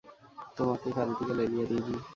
তোমাকে কারো দিকে লেলিয়ে দিইনি।